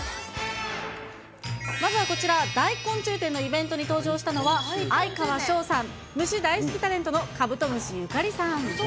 まずはこちら、大昆虫展のイベントに登場したのは哀川翔さん、虫大好きタレントのカブトムシゆかりさん。